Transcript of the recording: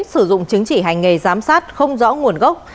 sử dụng chứng chỉ hành nghề giám sát không rõ nguồn gốc